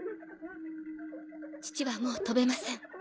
父はもう飛べません。